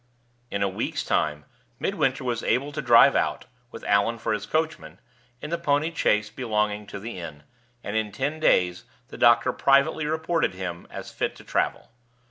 In a week's time Midwinter was able to drive out (with Allan for his coachman) in the pony chaise belonging to the inn, and in ten days the doctor privately reported him as fit to travel.